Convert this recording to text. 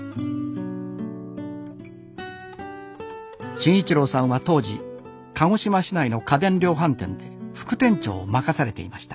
慎一郎さんは当時鹿児島市内の家電量販店で副店長を任されていました。